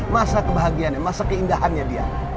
masa kebahagiaannya masa keindahannya dia